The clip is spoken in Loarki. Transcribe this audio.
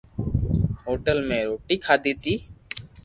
ھوٽل مي روِٽي کاڌي تي